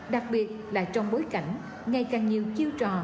đặc biệt là trong bối cảnh ngày càng nhiều chiêu trò